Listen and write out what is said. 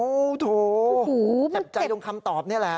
โอ้โหถูจับใจด้วยคำตอบนี่แหละ